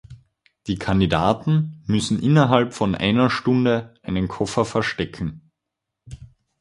Die Kandidaten müssen innerhalb von einer Stunde einen Koffer verstecken.